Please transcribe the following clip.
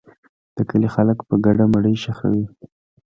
د کلي خلک په ګډه مړی ښخوي.